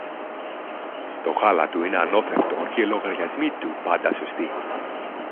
Το γάλα του είναι ανόθευτο, και οι λογαριασμοί του πάντα σωστοί.